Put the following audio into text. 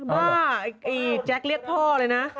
บ้าไอ้แจ๊คเรียกพ่อเลยนะ